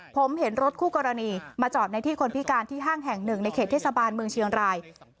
ผมเห็นรถคู่กรณีมาจอดในที่คนพิการที่ห้างแห่งหนึ่งในเขตเทศบาลเมืองเชียงราย